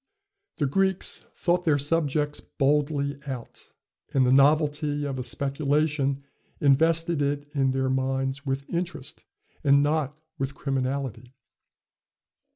The Greeks thought their subjects boldly out; and the novelty of a speculation invested it in their minds with interest, and not with criminality.